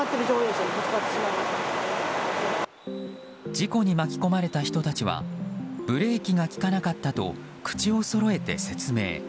事故に巻き込まれた人たちはブレーキが利かなかったと口をそろえて説明。